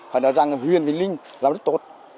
họ nói rằng huyện vĩnh linh làm rất tốt